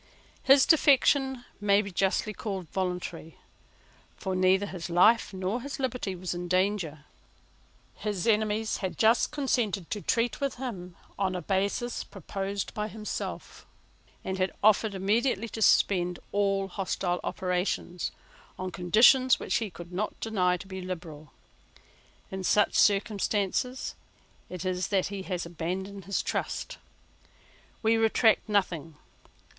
His defection may be justly called voluntary: for neither his life nor his liberty was in danger. His enemies had just consented to treat with him on a basis proposed by himself, and had offered immediately to suspend all hostile operations, on conditions which he could not deny to be liberal. In such circumstances it is that he has abandoned his trust. We retract nothing.